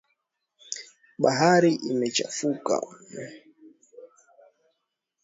Bahari imechafuka